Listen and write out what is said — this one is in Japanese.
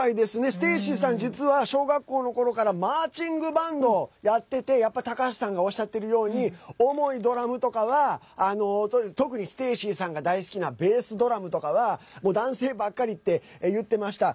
ステイシーさん、実は小学校の頃からマーチングバンドをやってて高橋さんがおっしゃってるように重いドラムとかは特にステイシーさんが大好きなベースドラムとかは男性ばっかりって言ってました。